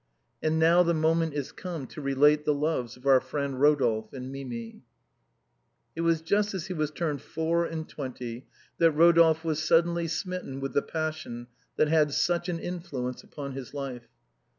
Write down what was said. And now tlie moment is come to relate the loves of our friend Rodolphe and Mademoiselle Mimi, It was just as he was turned four and twenty that Rodolphe was suddenly smitten with the passion that had such an influence upon his life.